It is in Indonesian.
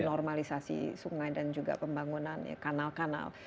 normalisasi sungai dan juga pembangunan kanal kanal